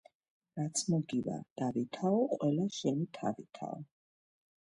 რაც მოგივა დავითაო, ყველა შენი თავითაო.